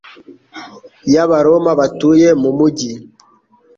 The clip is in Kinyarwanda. y'Abaroma batuye mu mujyi